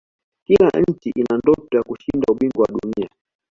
kila nchi ina ndoto ya kushinda ubingwa wa dunia